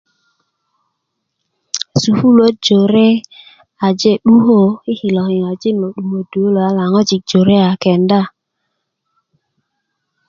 sukuluwöt jore aje dukö yi kilo kiŋajin lo duŋödu kilo yala ŋwojik jore a kenda